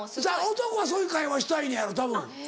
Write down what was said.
男はそういう会話したいのやろたぶん。